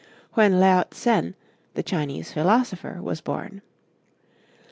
when Laot sen, the Chinese philosopher, was born.